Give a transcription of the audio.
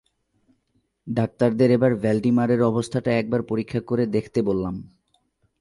ডাক্তারদের এবার ভ্যালডিমারের অবস্থাটা একবার পরীক্ষা করে দেখতে বললাম।